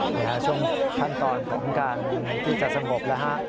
ใช่ครับช่วงขั้นตอนของการที่จะสงบนะฮะ